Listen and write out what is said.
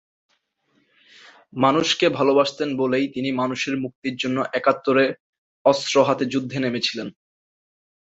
মানুষকে ভালোবাসতেন বলেই তিনি মানুষের মুক্তির জন্য একাত্তরে অস্ত্র হাতে যুদ্ধে নেমেছিলেন।